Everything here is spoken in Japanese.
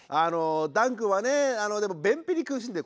ダンくんはねでも便秘に苦しんでる。